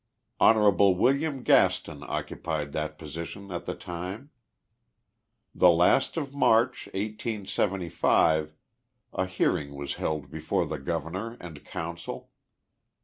lion. William Gaston occupied that position at the time. The last of March, 1S75, a hearing was held before the Governor and Council.